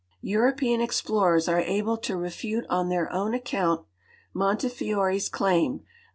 European ex jilorersare able to refute on tlieir own account 5Iontefiore's claim, e.